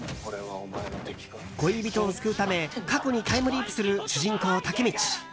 恋人を救うため過去にタイムリープする主人公タケミチ。